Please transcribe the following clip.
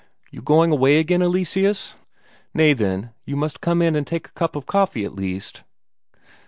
"You going away again, Eleseus? Nay, then, you must come in and take a cup of coffee at least."